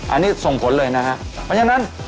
อันนี้ส่งผลเลยนะฮะเพราะฉะนั้น